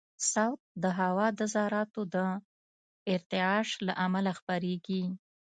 صوت د هوا د ذراتو د ارتعاش له امله خپرېږي.